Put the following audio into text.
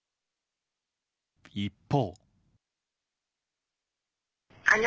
一方。